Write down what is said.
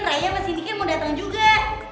raya sama sidiknya mau datang juga